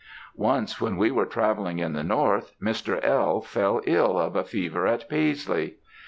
Once, when we were travelling in the North, Mr. L. fell ill of a fever at Paisley.